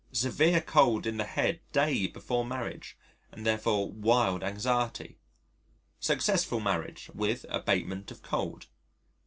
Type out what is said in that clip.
Severe cold in the head day before marriage (and therefore wild anxiety). Successful marriage with abatement of cold.